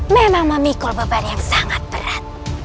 memang memikul beban yang sangat berat